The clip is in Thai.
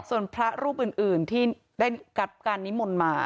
ส่วนพระรูปอื่นที่ได้รับการนิมนต์มา